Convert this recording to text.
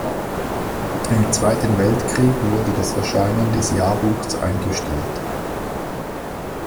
Im Zweiten Weltkrieg wurde das Erscheinen des Jahrbuchs eingestellt.